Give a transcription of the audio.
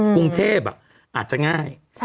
กรุงเทพอาจจะง่าย